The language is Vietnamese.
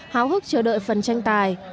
háo hức chờ đợi phần tranh tài